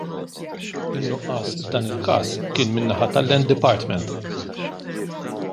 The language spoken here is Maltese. In-nuqqas f'dan il-każ kien min-naħa tal-Land Department.